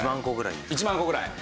１万個ぐらい。